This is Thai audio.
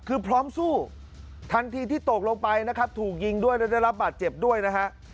คือพร้อมสู้ทันทีที่ตกลงไปนะครับถูกยิงด้วยแล้วได้รับบาดเจ็บด้วยนะฮะ